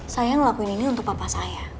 saya ngelakuin ini untuk papa saya